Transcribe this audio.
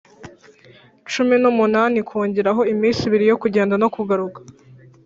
Cumi n umunani kongeraho iminsi ibiri yo kugenda no kugaruka